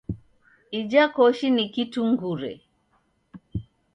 Ija koshi ni kitungure.